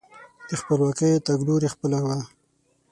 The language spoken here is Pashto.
د خپلواکۍ تګلوري خپله وه.